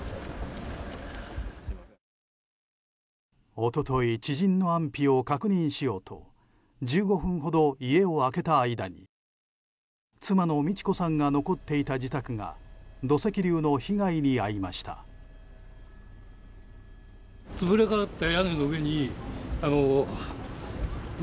一昨日知人の安否を確認しようと１５分ほど家を空けた間に妻の路子さんが残っていた自宅が土石流の被害に遭いました。